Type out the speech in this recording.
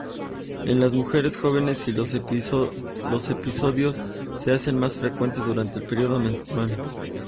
En las mujeres jóvenes los episodios se hacen más frecuentes durante el período menstrual.